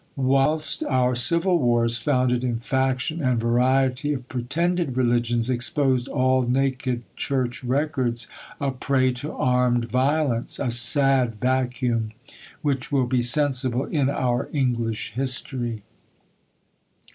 whilst our civil wars, founded in faction and variety of pretended religions, exposed all naked church records a prey to armed violence; a sad vacuum, which will be sensible in our English historie."